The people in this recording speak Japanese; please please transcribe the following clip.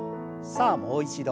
さあもう一度。